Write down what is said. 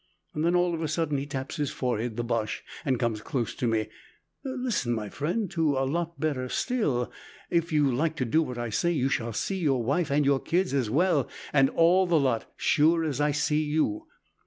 Then all of a sudden he taps his forehead, the Boche, and comes close to me 'Listen, my friend, to a lot better still. If you like to do what I say, you shall see your wife, and your kids as well, and all the lot, sure as I see you.'